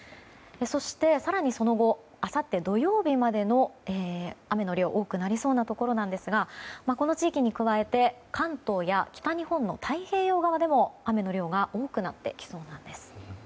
そして、さらにその後あさって土曜日まで、雨の量が多くなりそうなところなんですがこの地域に加えて関東や北日本の太平洋側でも雨の量が多くなってきそうです。